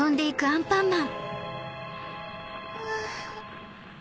アンパンマン！